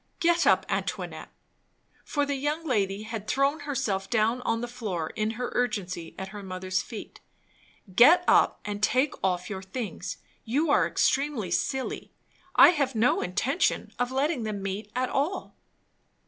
"Get up, Antoinette" for the young lady had thrown herself down on the floor in her urgency, at her mother's feet. "Get up, and take off your things; you are extremely silly. I have no intention of letting them meet at all."